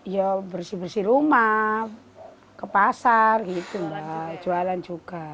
ya bersih bersih rumah ke pasar gitu mbak jualan juga